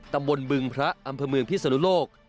บึงพระอำเภอเมืองพิศนุโลก